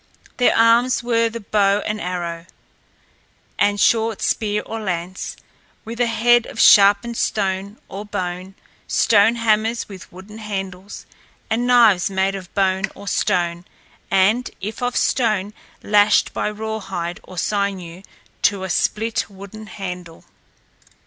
Their arms were the bow and arrow, a short spear or lance, with a head of sharpened stone or bone, stone hammers with wooden handles, and knives made of bone or stone, and if of stone, lashed by rawhide or sinew to a split wooden handle.